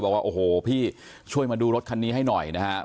บอกว่าโอ้โหพี่ช่วยมาดูรถคันนี้ให้หน่อยนะครับ